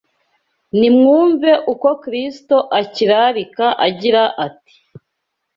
Nimwumve uko Kristo akirarika agira ati: